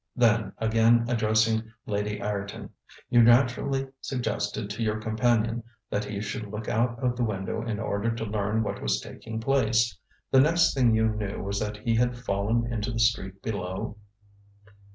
ŌĆØ Then, again addressing Lady Ireton: ŌĆ£You naturally suggested to your companion that he should look out of the window in order to learn what was taking place. The next thing you knew was that he had fallen into the street below?